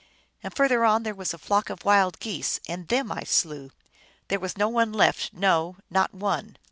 And further on there was a flock of wild geese, and them I slew ; there was not one left, no, not one.